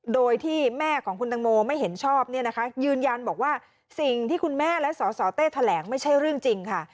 โดยที่แม่ของคุณตังโมไม่เห็นชอบเนี่ยนะคะยืนยันบอกว่าสิ่งที่คุณแม่และสสเต้แถลงไม่ใช่เรื่องจริงค่ะ